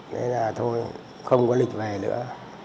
thế là thôi không có lịch về nữa